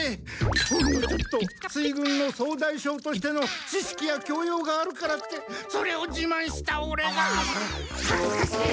ほんのちょっと水軍の総大将としての知識や教養があるからってそれをじまんしたオレがはずかしい！